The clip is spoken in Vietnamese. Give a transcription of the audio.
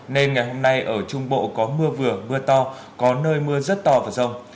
nên ngày hôm nay ở trung bộ có mưa vừa mưa to có nơi mưa rất to và rông